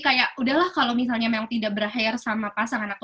kayak udahlah kalau misalnya memang tidak berhayar sama pasangan aku